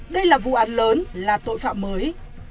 đây là vụ án lớn là tội phạm mới